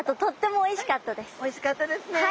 おいしかったですねえ。